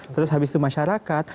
terus habis itu masyarakat